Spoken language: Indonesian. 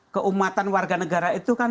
keumatan warganegara itu kan